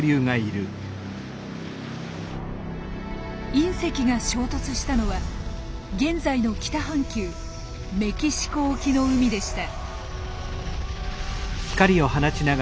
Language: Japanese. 隕石が衝突したのは現在の北半球メキシコ沖の海でした。